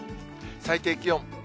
最低気温。